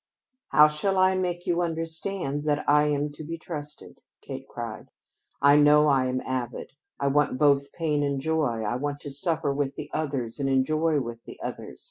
"How shall I make you understand that I am to be trusted!" Kate cried. "I know I'm avid. I want both pain and joy. I want to suffer with the others and enjoy with the others.